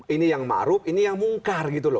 ini yang ma'ruf ini yang mungkar